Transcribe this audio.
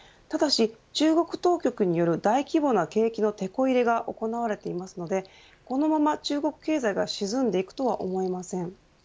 ただし中国当局による大規模な景気のてこ入れが行われておりこのまま中国経済が沈んでいくとは思えません。